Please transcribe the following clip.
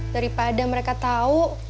daripada mereka tau